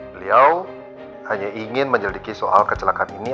beliau hanya ingin menyelidiki soal kecelakaan ini